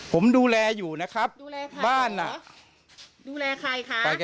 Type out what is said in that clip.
ผมดูแลอยู่นะครับบ้านดูแลใครค่ะบ้าน่ะ